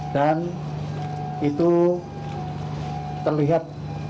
dan itu terlihat